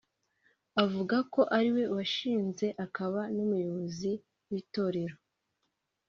uvuga ko ariwe washinze akaba n’umuyobozi w’Itorero